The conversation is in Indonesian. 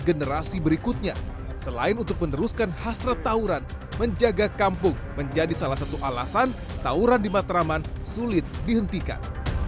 generasi berikutnya selain untuk meneruskan hasrat tauran menjaga kampung menjadi salah satu alasan tauran di matraman sulit dihentikan